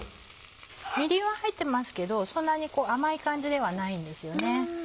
みりんは入ってますけどそんなに甘い感じではないんですよね。